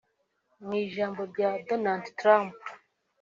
Mu ijambo rya Donald Trump